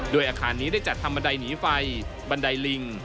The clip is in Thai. โดยอาคารนี้ได้จัดธรรมดายหนีไฟบันไดลิง